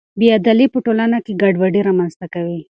بې عدالتي په ټولنه کې ګډوډي رامنځته کوي.